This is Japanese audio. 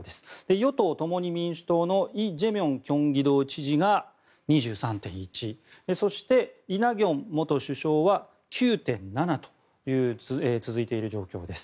与党・共に民主党のイ・ジェミョン京畿道知事が２３．１％そして、イ・ナギョン元首相は９．７％と続いている状況です。